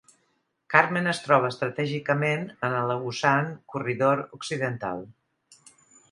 Carmen es troba estratègicament en el Agusan Corridor occidental.